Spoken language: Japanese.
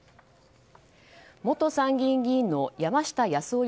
元参議院議員の山下八洲夫